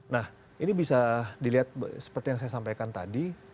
nah ini bisa dilihat seperti yang saya sampaikan tadi